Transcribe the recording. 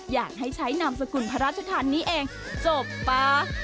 อยากให้ใช้นามสกุลพระราชทานนี้เองจบป่ะ